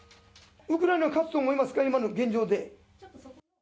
ウクライナが勝つと思いますか、今の現状で。